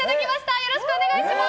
よろしくお願いします！